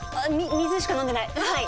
水しか飲んでない。